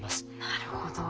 なるほど。